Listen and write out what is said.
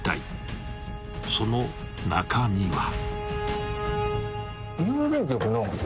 ［その中身は？］